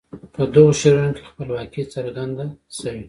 په دغو شعرونو کې خپلواکي څرګند شوي.